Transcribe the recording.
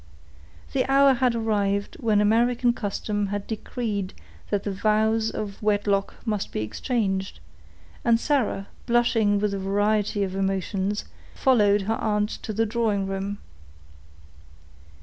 The hour had arrived when American custom has decreed that the vows of wedlock must be exchanged; and Sarah, blushing with a variety of emotions, followed her aunt to the drawing room.